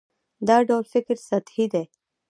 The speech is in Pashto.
دا ډول فکر سطحي دی.